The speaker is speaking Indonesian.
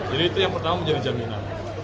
jadi itu yang pertama